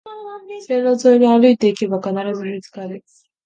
線路沿いに歩いていけば必ず見つかる